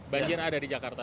banjir ada di jakarta